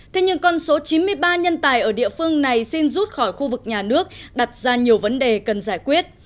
thế nhưng con số chín mươi ba nhân tài ở địa phương này xin rút khỏi khu vực nhà nước đặt ra nhiều vấn đề cần giải quyết